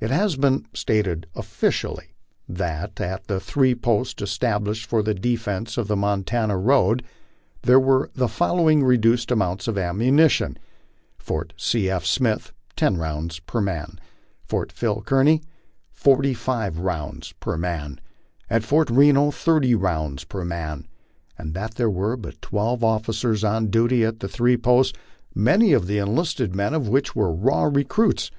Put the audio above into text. It has been stated officially that at the three posts established for the defence of the Mon tana road, there were the following reduced amounts of ammunition : Fort C. F. Smith, ten rounds per man ; Fort Phil Kearny, forty five rounds per man, and Fort Reno, thirty rounds per man ; and that there were but twelve officers on duty at the three posts, many of the enlisted men of which were raw re cruits.